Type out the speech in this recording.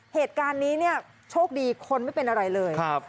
เหตุการณ์นี้เนี่ยโชคดีคนไม่เป็นอะไรเลย